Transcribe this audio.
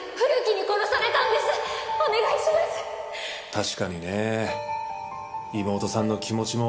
確かにね妹さんの気持ちもわかる。